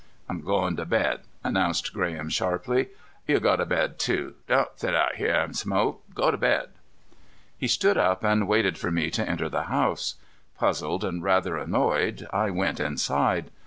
"I'm goin' to bed," announced Graham sharply. "You go t' bed too. Don't sit out here an' smoke. Go to bed." He stood up and waited for me to enter the house. Puzzled, and rather annoyed, I went inside.